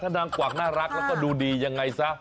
นางกวักน่ารักแล้วก็ดูดียังไงซะ